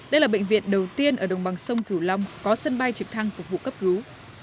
đây là bệnh viện đầu tiên ở đồng bằng sông cửu long có sân bay trực thăng phục vụ cấp cứu